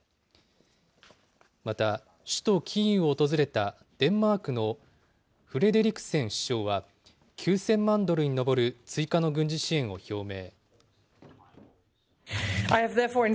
また、首都キーウを訪れたデンマークのフレデリクセン首相は、９０００万ドルに上る追加の軍事支援を表明。